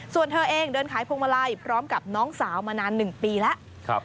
ส่วนเธอเองเดินขายพวงมาลัยพร้อมกับน้องสาวมานาน๑ปีแล้ว